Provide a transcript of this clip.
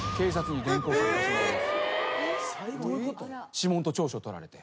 指紋と調書とられて。